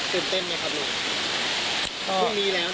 เต้นเต้นไงครับหนู